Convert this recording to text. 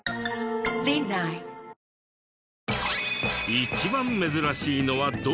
一番珍しいのはどれ？